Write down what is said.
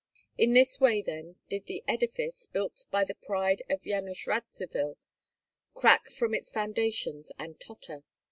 In this way then did the edifice, built by the pride of Yanush Radzivill, crack from its foundations and totter.